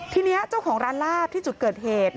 ทีนี้เจ้าของร้านลาบที่จุดเกิดเหตุ